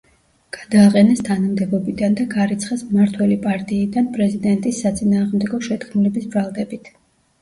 გადააყენეს თანამდებობიდან და გარიცხეს მმართველი პარტიიდან პრეზიდენტის საწინააღმდეგო შეთქმულების ბრალდებით.